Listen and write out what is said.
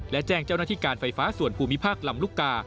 และแจ้งเจ้าหน้าที่การไฟฟ้าส่วนภูมิภาคลำลูกกา